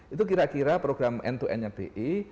itu kira kira program end to endnya bi